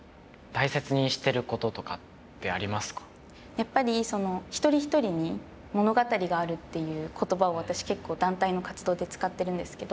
やっぱりその「一人一人に物語がある」っていう言葉を私結構団体の活動で使ってるんですけど。